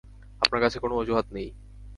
আপনার কাছে কোন অজুহাত নেই।